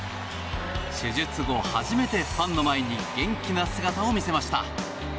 手術後初めて、ファンの前に元気な姿を見せました。